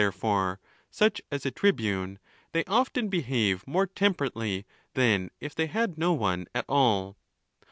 therefore, such asa tribune, they often behave: more temperately than if they had no one at all.